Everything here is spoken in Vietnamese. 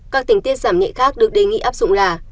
các tình tiết giảm nhẹ khác được đề nghị áp dụng là